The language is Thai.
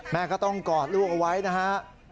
แม่ก็ต้องกอดลูกเอาไว้นะฮะ